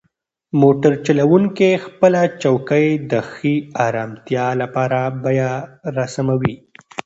موټر چلونکی خپله چوکۍ د ښې ارامتیا لپاره بیا راسموي.